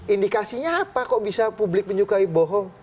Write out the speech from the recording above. indikasinya apa kok bisa publik menyukai bohong